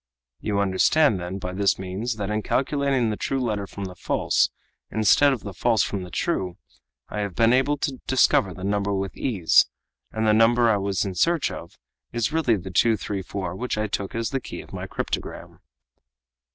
"You understand, then, by this means, that in calculating the true letter from the false, instead of the false from the true, I have been able to discover the number with ease; and the number I was in search of is really the 234 which I took as the key of my cryptogram."